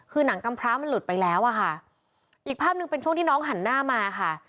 คือหนังกำพร้ามันหลุดไปแล้วอะค่ะอีกภาพหนึ่งเป็นช่วงที่น้องหันหน้ามาค่ะ